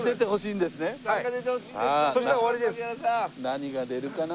何が出るかな？